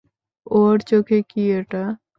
ওর চোখে কী এটা?